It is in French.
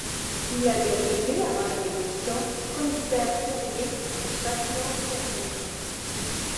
Il avait été, avant la Révolution, commissaire terrier à Châtillon-sur-Indre.